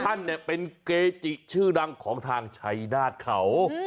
ท่านเนี่ยเป็นเกจิชื่อดังของทางชัยนาฏเขา